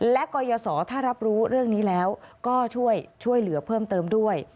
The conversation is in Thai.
และกรยศถ้ารับรู้เรื่องนี้แล้วก็ช่วยเหลือเพิ่มเติมด้วย